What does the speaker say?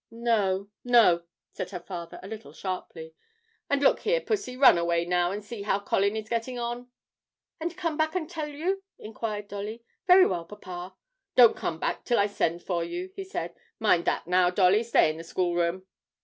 'No no,' said her father, a little sharply, 'and look here, Pussy, run away now and see how Colin is getting on.' 'And come back and tell you?' inquired Dolly; 'very well, papa.' 'Don't come back till I send for you,' he said. 'Mind that now, Dolly, stay in the schoolroom.'